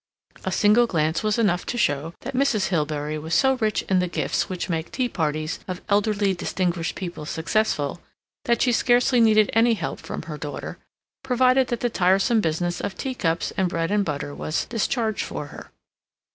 A single glance was enough to show that Mrs. Hilbery was so rich in the gifts which make tea parties of elderly distinguished people successful, that she scarcely needed any help from her daughter, provided that the tiresome business of teacups and bread and butter was discharged for her.